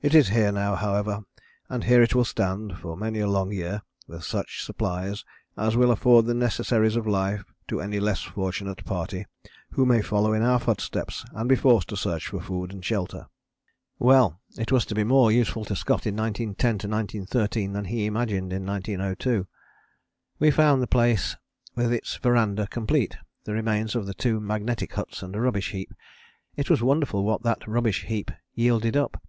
It is here now, however, and here it will stand for many a long year with such supplies as will afford the necessaries of life to any less fortunate party who may follow in our footsteps and be forced to search for food and shelter." Well! It was to be more useful to Scott in 1910 to 1913 than he imagined in 1902. We found the place with its verandah complete, the remains of the two magnetic huts and a rubbish heap. It was wonderful what that rubbish heap yielded up.